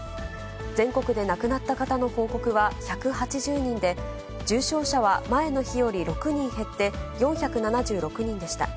全国で亡くなった方の報告は１８０人で、重症者は前の日より６人減って、４７６人でした。